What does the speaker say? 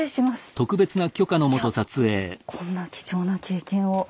いやこんな貴重な経験を。